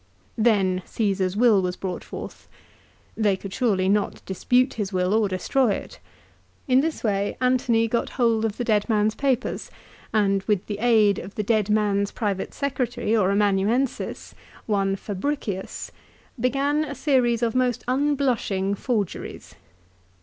Then Caesar's will was brought forth. They could not surely dispute his will or destroy it. In this way Antony got hold of the dead man's papers, and with the aid of the dead man's private secretary or amanuensis, one Fabricius, began a series of most unblushing forgeries.